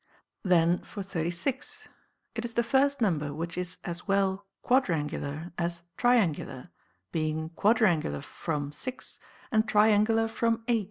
Then for 36, it is the first number which is as well quadrangular as triangular, being quadrangular from 6, and triangular from 8.